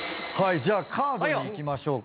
じゃあカードにいきましょうか。